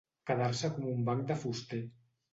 Quedar-se com un banc de fuster.